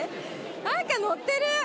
何か乗ってる！